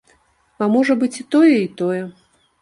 А можа быць, і тое, і тое.